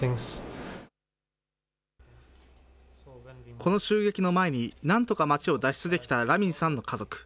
この襲撃の前に、なんとか町を脱出できたラミンさんの家族。